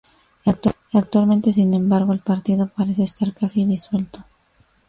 Actualmente, sin embargo, el partido parece estar casi disuelto.